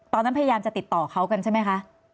พยายามจะติดต่อเขากันใช่ไหมคะ